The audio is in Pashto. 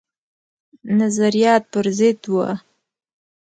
نظریات پر ضد وه.